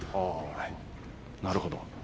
なるほど。